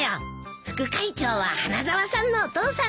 副会長は花沢さんのお父さんだね。